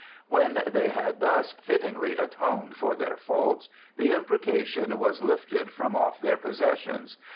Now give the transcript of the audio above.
When they had thus fittingly atoned for their faults the imprecation was lifted from off their possessions.